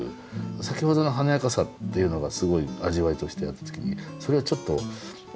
先ほどの華やかさっていうのがすごい味わいとしてあった時にそれをちょっと抑えた上品さが。